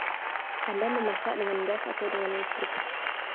Anda memasak dengan gas atau dengan listrik?